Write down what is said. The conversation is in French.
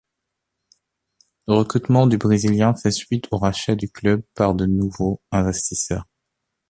Le recrutement du brésilen fait suite au rachat du club par de nouveaux investisseurs.